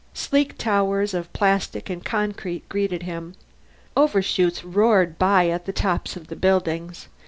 Sleek towers of plastic and concrete greeted him. Overshoots roared by the tops of the buildings.